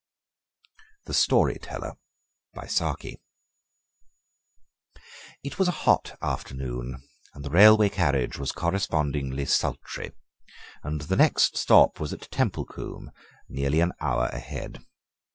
THE STORY TELLER It was a hot afternoon, and the railway carriage was correspondingly sultry, and the next stop was at Templecombe, nearly an hour ahead.